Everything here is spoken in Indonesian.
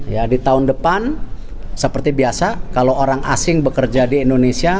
ya di tahun depan seperti biasa kalau orang asing bekerja di indonesia